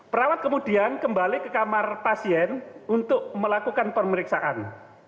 perawat kemudian kembali ke kamar pasien untuk melakukan pemeriksaan